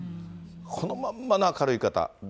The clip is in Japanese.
このまんまの明るい方。